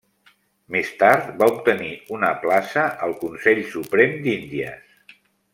Més tard va obtenir una plaça al Consell Suprem d'Índies.